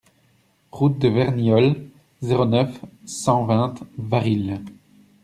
Route de Verniolle, zéro neuf, cent vingt Varilhes